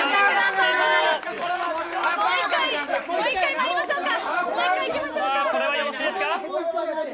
もう１回まいりましょうか。